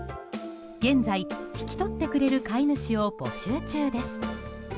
現在、引き取ってくれる飼い主を募集中です。